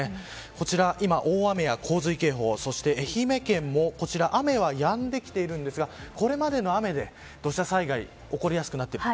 こちら今、大雨や洪水警報そして愛媛県も雨はやんできているんですがこれまでの雨で土砂災害起こりやすくなっている。